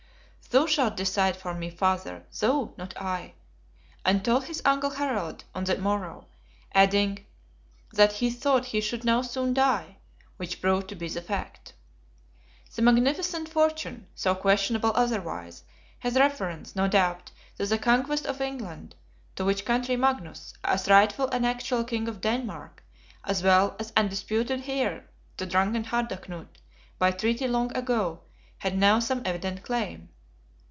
"Thou shalt decide for me, Father, thou, not I!" and told his Uncle Harald on the morrow, adding that he thought he should now soon die; which proved to be the fact. The magnificent fortune, so questionable otherwise, has reference, no doubt, to the Conquest of England; to which country Magnus, as rightful and actual King of Denmark, as well as undisputed heir to drunken Harda Knut, by treaty long ago, had now some evident claim.